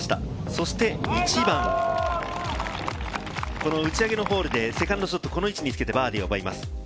そして１番、打ち上げのホールでセカンドショット、この位置につけてバーディーを奪います。